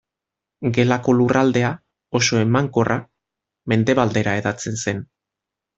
Gelako lurraldea, oso emankorra, mendebaldera hedatzen zen.